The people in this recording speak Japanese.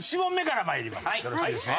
よろしいですね？